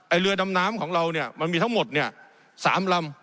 ไอ้เรือดำน้ำน้ำของเราเนี้ยมันมีทั้งหมดเนี้ยสามลำ